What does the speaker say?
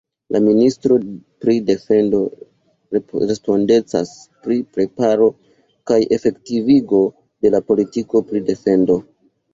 La ministro pri defendo respondecas pri preparo kaj efektivigo de la politiko pri defendo.